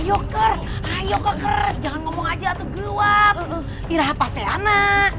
ayokar ayo keker jangan ngomong aja tuh gue irup viraha paseana